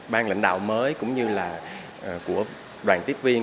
ban lãnh đạo mới cũng như là của đoàn tiếp viên